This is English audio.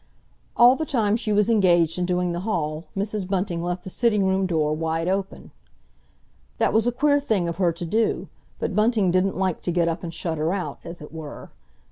All the time she was engaged in doing the hall, Mrs. Bunting left the sitting room door wide open. That was a queer thing of her to do, but Bunting didn't like to get up and shut her out, as it were.